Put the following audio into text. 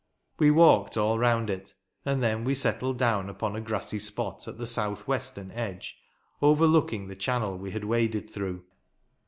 We walked all round it, and then we set tled down upon a grassy spot, at the south western edge, overlooking the channel we had waded through.